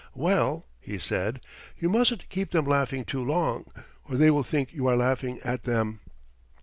"Well," he said, "you mustn't keep them laughing too long, or they will think you are laughing at them.